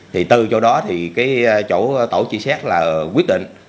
thì từ chỗ đó thì chỗ tổ truy xét là quyết định